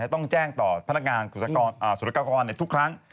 ต้องแจ้งต่อพนักงานศุลกากรทุกครั้ง